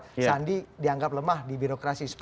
sandi dianggap lemah di birokrasi